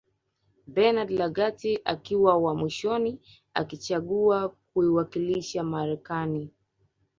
Bernard Lagat akiwa wa mwishoni akichagua kuiwakilisha Marekani